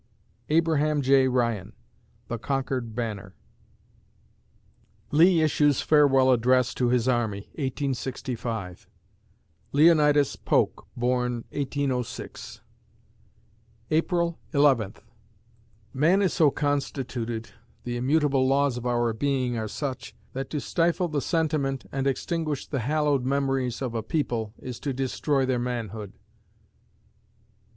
ABRAHAM J. RYAN (The Conquered Banner) Lee issues farewell address to his army, 1865 Leonidas Polk born, 1806 April Eleventh Man is so constituted the immutable laws of our being are such that to stifle the sentiment and extinguish the hallowed memories of a people is to destroy their manhood.